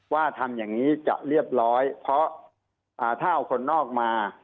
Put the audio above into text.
ว่าทำอย่างนี้จะเรียบร้อยเพราะถ้าเอาคนนอกมา